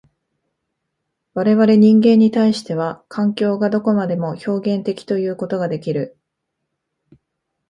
我々人間に対しては、環境がどこまでも表現的ということができる。